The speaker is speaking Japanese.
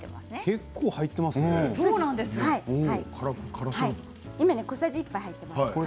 結構入っていますね。